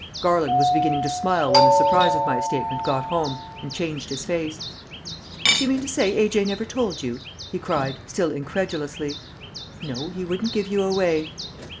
Garland was beginning to smile when the surprise of my statement got home and changed his face. "Do you mean to say A.J. never told you?" he cried, still incredulously. "No; he wouldn't give you away."